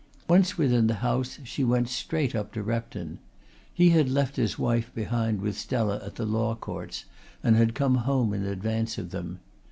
Once within the house she went straight up to Repton. He had left his wife behind with Stella at the Law Courts and had come home in advance of them.